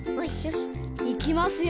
いきますよ！